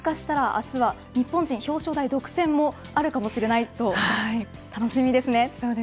日本人表彰台独占もあるかもしれないと楽しみですね。